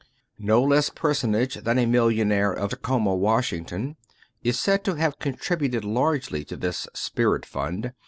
No less a personage than a millionaire of Tacoma, Wash ington, is said to have contributed largely to this spirit fund.